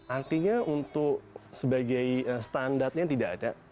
artinya untuk sebagai standarnya tidak ada